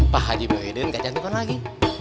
pak haji muhyiddin gak cantikkan lagi